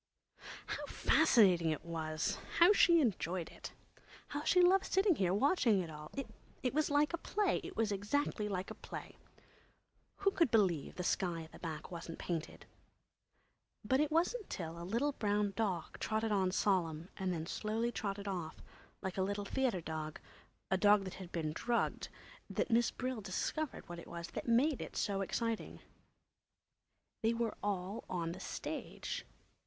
Oh, how fascinating it was! How she enjoyed it! How she loved sitting here, watching it all! It was like a play. It was exactly like a play. Who could believe the sky at the back wasn't painted? But it wasn't till a little brown dog trotted on solemn and then slowly trotted off, like a little "theatre" dog, a little dog that had been drugged, that Miss Brill discovered what it was that made it so exciting. They were all on the stage.